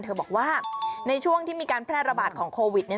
บอกว่าในช่วงที่มีการแพร่ระบาดของโควิด